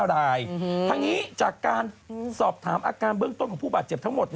รายทางนี้จากการสอบถามอาการเบื้องต้นของผู้บาดเจ็บทั้งหมด